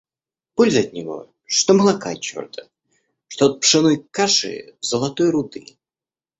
Пользы от него, что молока от черта, что от пшенной каши — золотой руды.